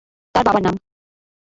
তার বাবার নাম।